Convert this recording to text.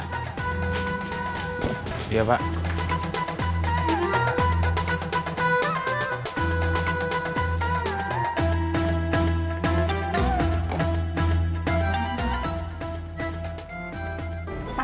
pak saya stop disini aja pak